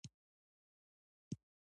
نننۍ صحنه کې لوبغاړی دی.